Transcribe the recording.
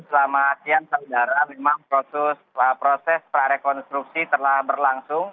selamat siang saudara memang proses prarekonstruksi telah berlangsung